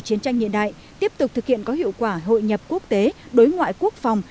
chiến tranh hiện đại tiếp tục thực hiện có hiệu quả hội nhập quốc tế đối ngoại quốc phòng